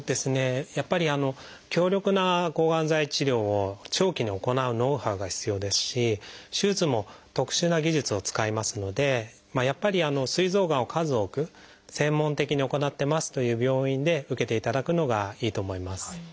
やっぱり強力な抗がん剤治療を長期に行うノウハウが必要ですし手術も特殊な技術を使いますのでやっぱりすい臓がんを数多く専門的に行ってますという病院で受けていただくのがいいと思います。